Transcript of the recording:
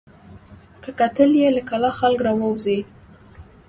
که کتل یې له کلا خلک راوزي